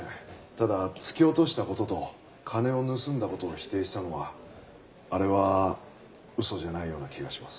ただ突き落とした事と金を盗んだ事を否定したのはあれは嘘じゃないような気がします。